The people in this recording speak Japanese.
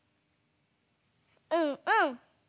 うんうん。